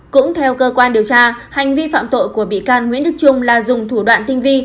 cũng theo cơ quan điều tra hành vi phạm tội của bị can nguyễn đức trung là dùng thủ đoạn tinh vi